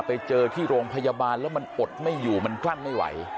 ไปเจอที่โรงพยาบาลแล้วมันอดไม่อยู่มันกลั้นไม่ไหว